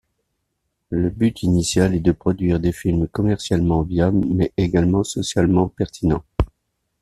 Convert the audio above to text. Le but initial est de produire des films commercialement viables mais également socialement pertinents.